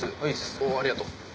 おおありがとう。